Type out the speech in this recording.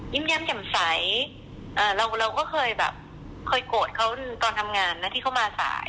แย้มแจ่มใสเราก็เคยแบบเคยโกรธเขาตอนทำงานนะที่เขามาสาย